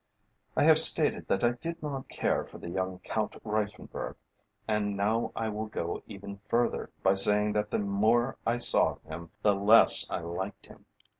I have stated that I did not care for the young Count Reiffenburg, and now I will go even further by saying that the more I saw of him the less I liked him.